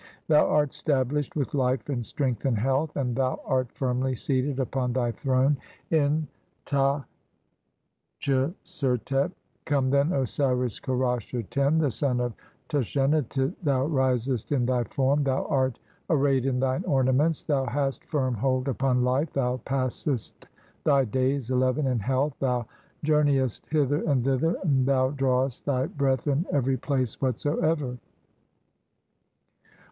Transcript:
"Thou art stablished with life, and strength, and health, "and thou art firmly seated upon thy throne in Ta THE BOOK OF BREATHINGS. CXCIX "tchesertet. Come then, Osiris Kerasher (10), the son "of Tashenatit, thou risest in thy form, thou art ar "rayed in thine ornaments, thou hast firm hold upon "life, thou passest thy days (n) in health, thou jour "neyest hither and thither, and thou drawest tfiy "breath in every place whatsoever.